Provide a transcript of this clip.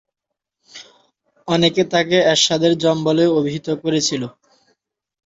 অনেকে তাকে 'এরশাদের যম' বলে অভিহিত করেছিল।